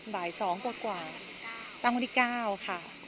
บ่ายสองกว่ากว่าตั้งวันที่เก้าค่ะ